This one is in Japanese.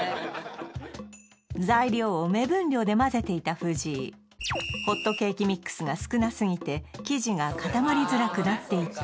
材料を目分量で混ぜていた藤井ホットケーキミックスが少なすぎて生地が固まりづらくなっていた